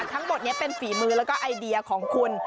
ทั้งหมดนี้เป็นฝีมือแล้วก็ไอเดียของคุณ